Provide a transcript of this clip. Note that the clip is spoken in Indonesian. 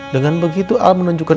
dengan begitu al menunjukkan